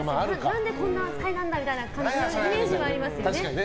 何で、こんな扱いなんだ！っていうイメージはありますよね。